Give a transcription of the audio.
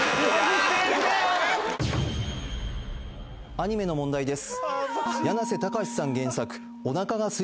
アニメの問題です